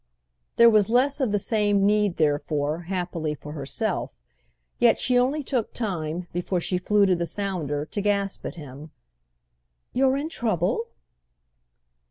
There was less of the same need therefore, happily, for herself; yet she only took time, before she flew to the sounder, to gasp at him: "You're in trouble?"